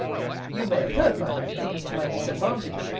You may have heard, Madam, things to my disadvantage.